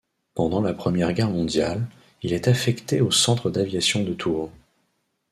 Pendant la Première Guerre mondiale, il est affecté au centre d'aviation de Tours.